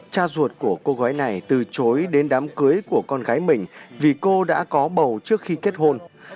cha ruột của cô gái này từ chối đến đám cưới của con gái mình vì cô đã có bầu trước khi kết hôn